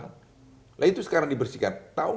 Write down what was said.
kalau enggak orang pergi naik pesawat